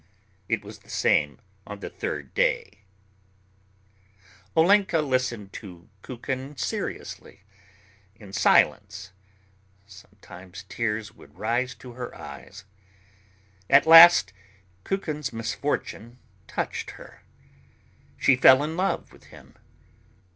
It was the same on the third day. Olenka listened to Kukin seriously, in silence. Sometimes tears would rise to her eyes. At last Kukin's misfortune touched her. She fell in love with him.